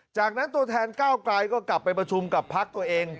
จากนั้นตัวแทนก้าวไกลก็กลับไปประชุมกับพักตัวเอง